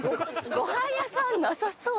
ごはん屋さんなさそう。